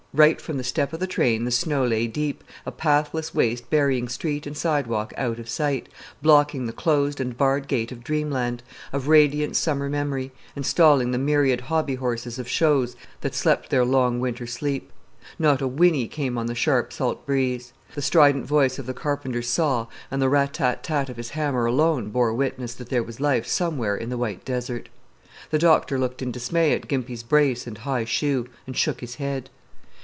Right from the step of the train the snow lay deep, a pathless waste burying street and sidewalk out of sight, blocking the closed and barred gate of Dreamland, of radiant summer memory, and stalling the myriad hobby horses of shows that slept their long winter sleep. Not a whinny came on the sharp salt breeze. The strident voice of the carpenter's saw and the rat tat tat of his hammer alone bore witness that there was life somewhere in the white desert. The doctor looked in dismay at Gimpy's brace and high shoe, and shook his head.